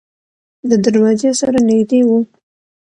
د دروازې سره نږدې و.